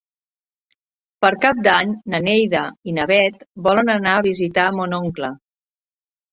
Per Cap d'Any na Neida i na Bet volen anar a visitar mon oncle.